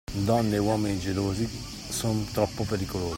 Donne e uomini gelosi son troppo pericolosi.